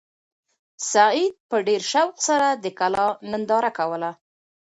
سعید په ډېر شوق سره د کلا ننداره کوله.